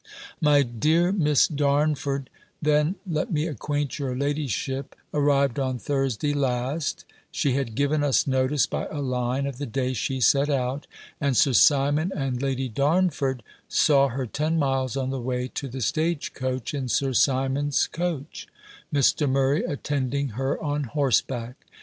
My dear Miss Darnford, then, let me acquaint your ladyship, arrived on Thursday last: she had given us notice, by a line, of the day she set out; and Sir Simon and Lady Darnford saw her ten miles on the way to the stage coach in Sir Simon's coach, Mr. Murray attending her on horseback.